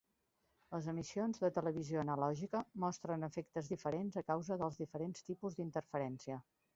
Les emissions de televisió analògica mostren efectes diferents a causa dels diferents tipus d'interferència.